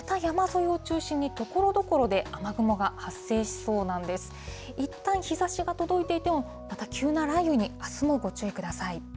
いったん、日ざしが届いていても、また急な雷雨に、あすもご注意ください。